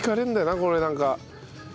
これなんかねえ？